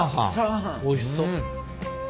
おいしそう。